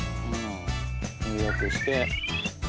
入浴して。